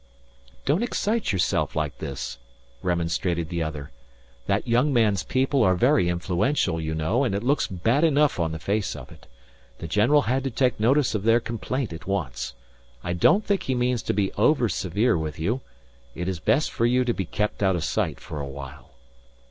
"Don't excite yourself like this," remonstrated the other. "That young man's people are very influential, you know, and it looks bad enough on the face of it. The general had to take notice of their complaint at once. I don't think he means to be over severe with you. It is best for you to be kept out of sight for a while."